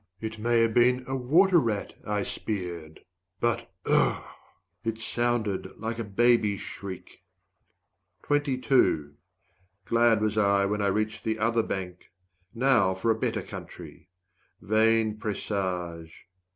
It may have been a water rat I speared, 125 But, ugh! it sounded like a baby's shriek. Glad was I when I reached the other bank. Now for a better country. Vain presage!